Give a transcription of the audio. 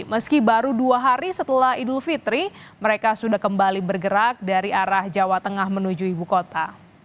meski baru dua hari setelah idul fitri mereka sudah kembali bergerak dari arah jawa tengah menuju ibu kota